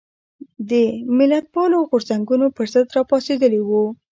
د ملتپالو غورځنګونو پر ضد راپاڅېدلي وو.